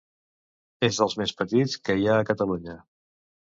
És dels més petits que hi ha a Catalunya.